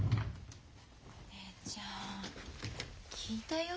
お姉ちゃん聞いたよ？